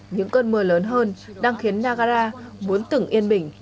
những cơn mưa lớn hơn đang khiến nagara muốn tưởng yên bình